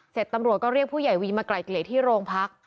เสร็จตำรวจก็เรียกผู้ใหญ่วีมากลายเกลียดที่โรงพัก